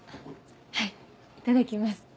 はいいただきます。